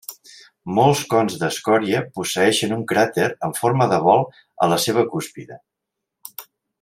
Molts cons d'escòria posseeixen un cràter amb forma de bol en la seva cúspide.